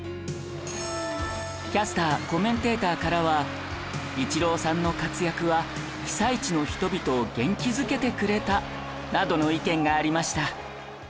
キャスターコメンテーターからは「イチローさんの活躍は被災地の人々を元気づけてくれた」などの意見がありました